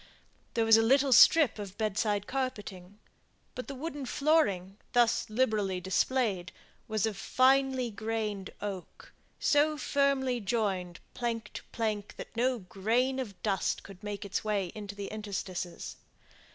There was a little strip of bedside carpeting, but the wooden flooring, thus liberally displayed, was of finely grained oak, so firmly joined, plank to plank, that no grain of dust could make its way into the interstices.